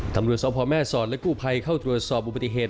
ตำรวจสพแม่สอดและกู้ภัยเข้าตรวจสอบอุบัติเหตุ